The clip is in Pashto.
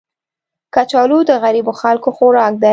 کچالو د غریبو خلکو خوراک دی